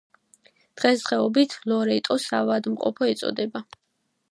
დღესდღეობით ლორეტოს საავადმყოფო ეწოდება.